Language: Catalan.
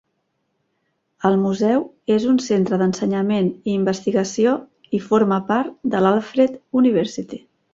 El museu és un centre d'ensenyament i investigació i forma part de l'Alfred University.